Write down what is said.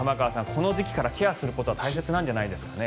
この時期からケアすることは大切なんじゃないですかね。